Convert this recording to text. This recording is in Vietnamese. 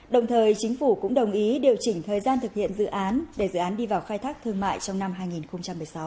đồng thời chính phủ cũng đồng ý điều chỉnh thời gian thực hiện dự án để dự án đi vào khai thác thương mại trong năm hai nghìn một mươi sáu